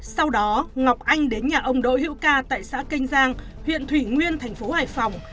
sau đó ngọc anh đến nhà ông đỗ hữu ca tại xã kênh giang huyện thủy nguyên thành phố hải phòng